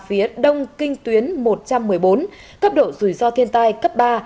phía đông kinh tuyến một trăm một mươi bốn cấp độ rủi ro thiên tai cấp ba